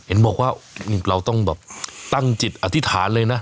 เห็นบอกว่าเราต้องแบบตั้งจิตอธิษฐานเลยนะ